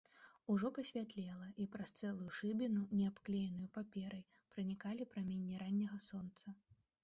Ужо пасвятлела, і праз цэлую шыбіну, не абклееную паперай, пранікалі праменні ранняга сонца.